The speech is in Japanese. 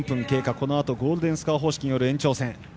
このあとゴールデンスコア方式の延長戦です。